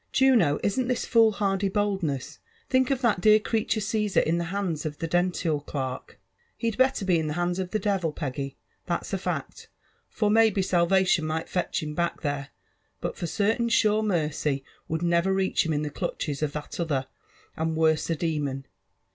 '< Juno! isn't this fool« hardy boldttesBt Think of that dear eretttf Conar in the hands of the 'dentlal derk i" *' He'd better be in the hands ^of the d^vtl, Peggy » that's a faet^^ for maybe salvation might fetch Mm back there, — but for certain snu^, merey would never reach him in the clutches of that other |in4 worsen demon.